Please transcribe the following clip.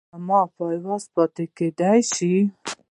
ایا زما پایواز پاتې کیدی شي؟